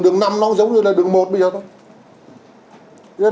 đường năm nó giống như là đường một bây giờ thôi